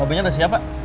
mobilnya udah siap pak